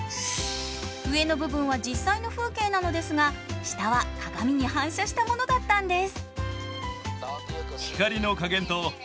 上の部分は実際の風景なのですが下は鏡に反射したものだったんです。